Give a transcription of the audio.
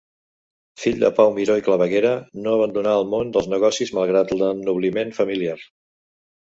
Fill de Pau Miró i Claveguera, no abandonà el món dels negocis malgrat l'ennobliment familiar.